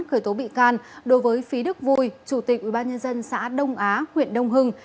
khởi tố bị can đối với phí đức vui chủ tịch ubnd xã đông á huyện đông hưng